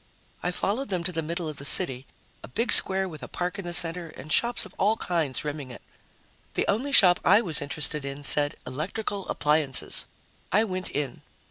I followed them to the middle of the city, a big square with a park in the center and shops of all kinds rimming it. The only shop I was interested in said: ELECTRICAL APPLIANCES. I went in.